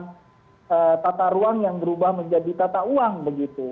dan tata ruang yang berubah menjadi tata uang begitu